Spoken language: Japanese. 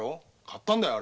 買ったんだよ。